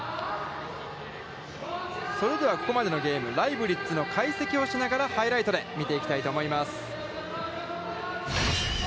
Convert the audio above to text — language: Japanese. それではここまでのゲーム、ライブリッツの解析をしながらハイライトで見ていきたいと思います。